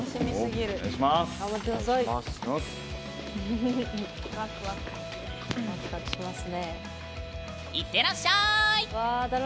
いってらっしゃい！